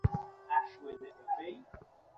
অভিনব কাজ, দুঃসাহস, আত্মত্যাগ।